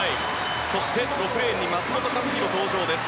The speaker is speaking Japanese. そして、６レーン松元克央が登場です。